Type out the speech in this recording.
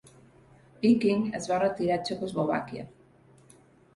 Wiking es va retirar a Txecoslovàquia.